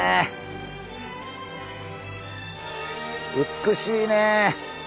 美しいね。